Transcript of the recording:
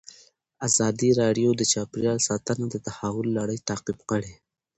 ازادي راډیو د چاپیریال ساتنه د تحول لړۍ تعقیب کړې.